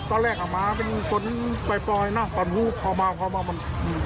ตอนแรกอ่ะมาเป็นฝนปล่อยน่ะตอนพูดเข้ามาเข้ามามัน